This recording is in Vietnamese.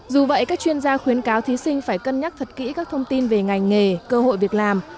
dù vậy các chuyên gia khuyến cáo thí sinh phải cân nhắc thật kỹ các thông tin về ngành nghề cơ hội việc làm